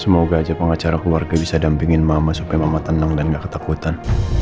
semoga aja pengacara keluarga bisa dampingin mama supaya mama tenang dan gak ketakutan